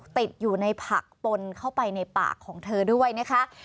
ติดอยู่ในผักปนเข้าไปในปากของเธอด้วยนะคะ